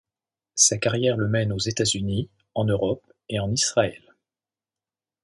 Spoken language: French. Sa carrière le mène aux États-Unis, en Europe et en Israël.